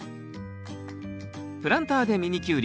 プランターでミニキュウリ。